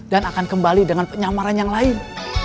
dan akan kembali dengan penyamaran yang lain